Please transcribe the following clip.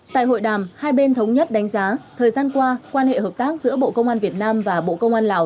tại hội đàm hai bên thống nhất đánh giá thời gian qua quan hệ hợp tác giữa bộ công an việt nam và bộ công an lào